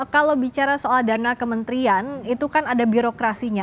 kalau bicara soal dana kementerian itu kan ada birokrasinya